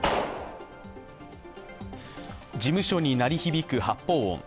事務所に鳴り響く発砲音。